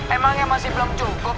emangnya masih belum cukup